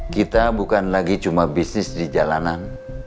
kita bukan lagi cuma bisnis di jalanan